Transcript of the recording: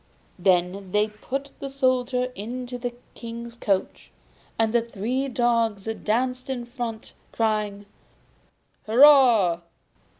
Then they put the Soldier into the King's coach, and the three dogs danced in front, crying 'Hurrah!